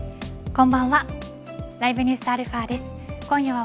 こんばんは。